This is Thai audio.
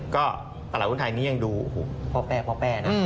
ก็ตลาดหุ้นไทยนี้ยังดูโอ้โหพอแป่นะ